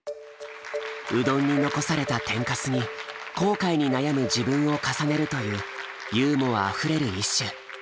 うどんに残された天カスに後悔に悩む自分を重ねるというユーモアあふれる一首。